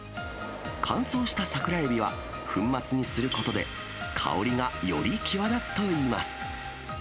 乾燥した桜エビは、粉末にすることで、香りがより際立つといいます。